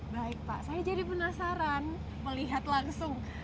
baik pak saya jadi penasaran melihat langsung